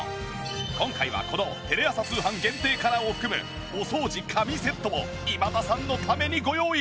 今回はこのテレ朝通販限定カラーを含むお掃除神セットを今田さんのためにご用意。